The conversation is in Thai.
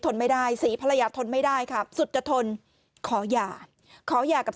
ไม่ได้ศรีภรรยาทนไม่ได้ค่ะสุดจะทนขอหย่าขอหย่ากับ